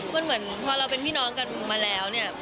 มันเหมือนพอเราเป็นพี่น้องกันมาแล้วเนี่ย